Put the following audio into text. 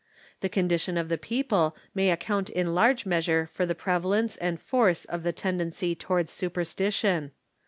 The condition of the people may account in large measure for the prevalence and force of the tendency towards superstition.